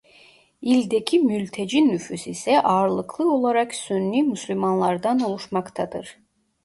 İldeki mülteci nüfus ise ağırlıklı olarak Sünni Müslümanlardan oluşmaktadır.